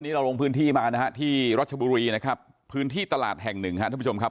เราลงพื้นที่มานะฮะที่รัชบุรีนะครับพื้นที่ตลาดแห่งหนึ่งครับท่านผู้ชมครับ